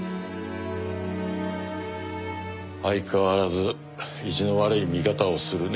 相変わらず意地の悪い見方をするね。